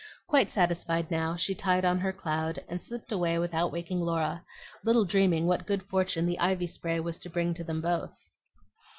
Quite satisfied now, she tied on her cloud and slipped away without waking Laura, little dreaming what good fortune the ivy spray was to bring them both.